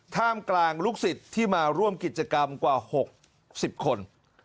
ท่ามกลางลูกศิษย์ที่มาร่วมกิจกรรมกว่า๖๐คน